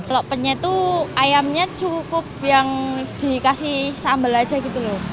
kalau penya itu ayamnya cukup yang dikasih sambal aja gitu loh